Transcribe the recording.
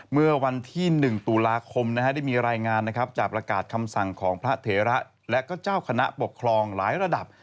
เมื่อวันที่๑ตุลาคมได้มีรายงานนะครับจากประกาศคำสั่งของพระเถระและก็เจ้าคณะปกครองหลายระดับ